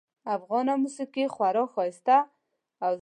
افغانه موسیقي خورا ښایسته او زړه راښکونکې ده